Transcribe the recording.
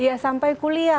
iya sampai kuliah